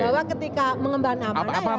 bahwa ketika mengembangkan amanah harus selesai dong